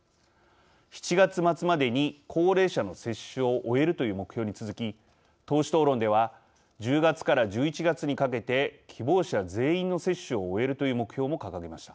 ７月末までに高齢者の接種を終えるという目標に続き党首討論では１０月から１１月にかけて希望者全員の接種を終えるという目標も掲げました。